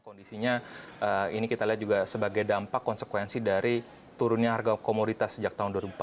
kondisinya ini kita lihat juga sebagai dampak konsekuensi dari turunnya harga komoditas sejak tahun dua ribu empat belas